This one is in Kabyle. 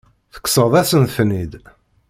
Tekkseḍ-asen-ten-id.